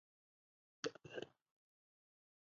چې په ناوو کې به چې کومه مسته ناوې را پیدا شوه.